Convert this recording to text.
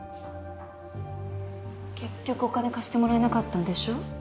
結局お金貸してもらえなかったんでしょう？